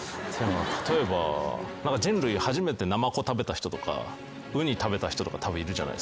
例えば人類で初めてナマコ食べた人とかウニ食べた人とかたぶんいるじゃないですか。